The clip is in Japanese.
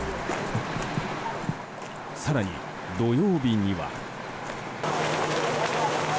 更に土曜日には。